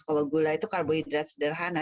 kalau gula itu karbohidrat sederhana